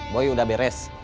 boy udah beres